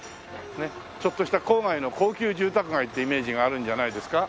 ちょっとした郊外の高級住宅街ってイメージがあるんじゃないですか？